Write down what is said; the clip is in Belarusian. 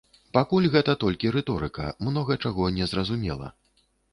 Пакуль гэта толькі рыторыка, многа чаго незразумела.